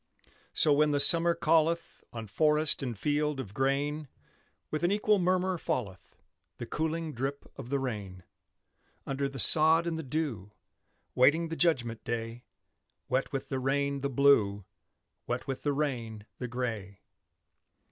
So, when the summer calleth, On forest and field of grain, With an equal murmur falleth The cooling drip of the rain: Under the sod and the dew, Waiting the judgment day; Wet with the rain, the Blue, Wet with the rain, the Gray.